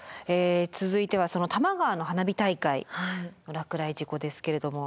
続いては多摩川の花火大会の落雷事故ですけれども。